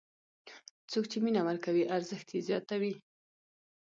څوک چې مینه ورکوي، ارزښت یې زیاتوي.